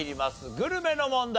グルメの問題。